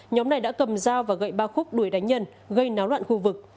nhóm này đã cầm dao và gậy ba khúc đuổi đánh nhân gây náo loạn khu vực